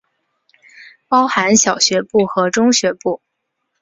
包含小学部和中学部。